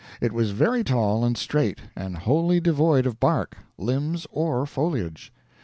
It was very tall and straight, and wholly devoid of bark, limbs, or foliage.